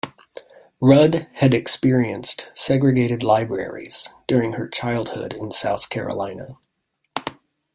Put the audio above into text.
Rudd had experienced segregated libraries during her childhood in South Carolina.